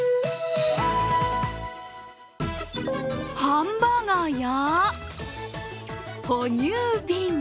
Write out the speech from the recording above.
ハンバーガーや哺乳瓶。